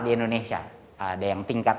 di indonesia ada yang tingkat